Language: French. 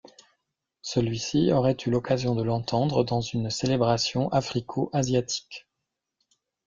Celui-ci aurait eu l'occasion de l'entendre dans une célébration africo-asiatique.